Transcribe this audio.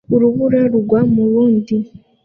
Urubura rugwa mu rundi